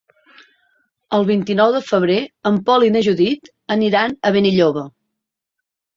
El vint-i-nou de febrer en Pol i na Judit aniran a Benilloba.